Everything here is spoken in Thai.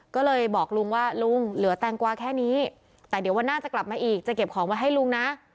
ก็เลยบอกลุงว่าลุงเหลือแตงกวาแค่นี้แต่เดี๋ยววันหน้าจะกลับมาอีกจะเก็บของไว้ให้ลุงนะ